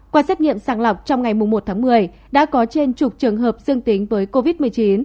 qua xét nghiệm sàng lọc trong ngày một tháng một mươi đã có trên chục trường hợp dương tính với covid một mươi chín